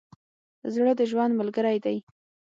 زړه د ژوند ملګری دی.